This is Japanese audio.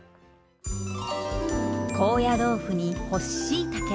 高野豆腐に干ししいたけ